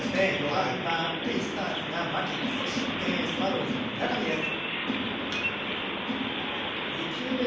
４番はベイスターズが牧、スワローズが村上です。